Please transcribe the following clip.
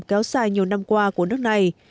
kéo dài nhiều năm qua của nước này